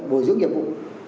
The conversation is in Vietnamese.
bồi dưỡng nhiệm vụ